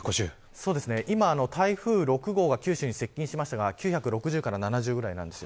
台風６号が九州に接近していますが９６０から９７０ぐらいです。